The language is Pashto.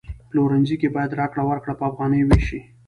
پلورنځي کی باید راکړه ورکړه په افغانیو وشي